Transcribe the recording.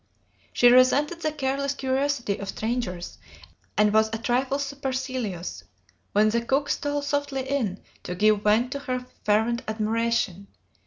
She resented the careless curiosity of strangers, and was a trifle supercilious when the cook stole softly in to give vent to her fervent admiration.